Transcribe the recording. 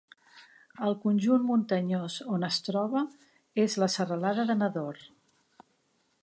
El conjunt muntanyós on es troba és la serralada de Nador.